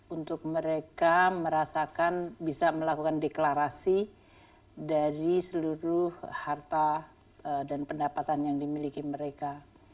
untuk mereka merasakan bisa melakukan deklarasi dari seluruh harta dan pendapatan yang dimiliki mereka